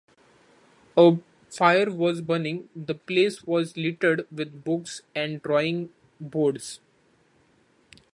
A fire was burning; the place was littered with books and drawing-boards.